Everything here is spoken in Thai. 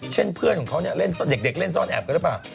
เช่นเพื่อนของเขาเด็กเล่นซ่อนแอบกันรึเปล่า